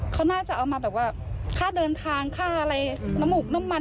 เขาน่าจะเอามาแบบว่าค่าเดินทางค่าอะไรน้ำหมูกน้ำมัน